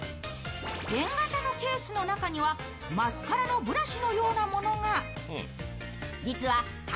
ペン型のケースの中にはマスカラのブラシのようなものが。